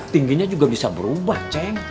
tingginya juga bisa berubah ceng